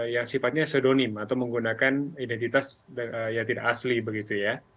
yang sifatnya sedonim atau menggunakan identitas yang tidak asli begitu ya